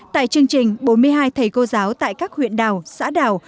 tại chương trình bốn mươi hai thầy cô giáo tại các huyện đảo xã đảo